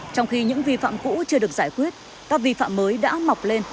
trong khi những vi phạm cũ chưa được giải quyết các vi phạm mới đã mọc lên